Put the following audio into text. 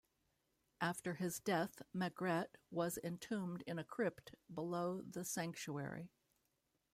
After his death, Maigret was entombed in the crypt below the sanctuary.